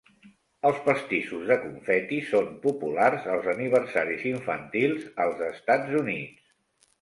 Els pastissos de confeti són populars als aniversaris infantils als Estats Units.